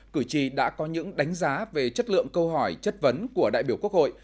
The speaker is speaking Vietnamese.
cử tri đã có những đánh giá về chất lượng câu hỏi chất vấn của đại biểu quốc hội